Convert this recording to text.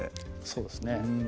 そうですね